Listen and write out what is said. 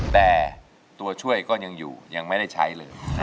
แต่ตัวช่วยก็ยังอยู่ยังไม่ได้ใช้เลย